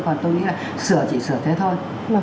còn tôi nghĩ là sửa chỉ sửa thế thôi